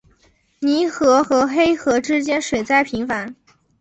泥河和黑河之间水灾频繁。